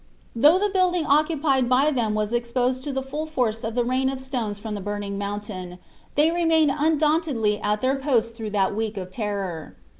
Though the building occupied by them was exposed to the full force of the rain of stones from the burning mountain, they remained undauntedly at their post through that week of terror.